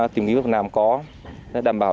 tìm kiếm được làm có để đảm bảo